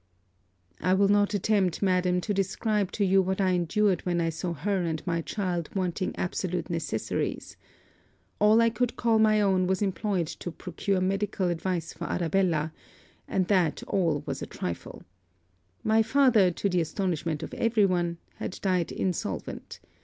'I will not attempt, madam, to describe to you what I endured when I saw her and my child wanting absolute necessaries. All I could call my own was employed to procure medical advice for Arabella; and that all was a trifle. My father, to the astonishment of every one, had died insolvent.